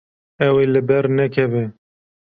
Ew ê li ber nekeve.